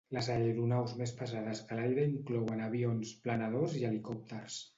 Les aeronaus més pesades que l'aire inclouen avions, planadors i helicòpters.